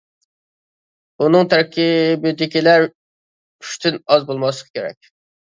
ئۇنىڭ تەركىبىدىكىلەر ئۈچتىن ئاز بولماسلىقى كېرەك.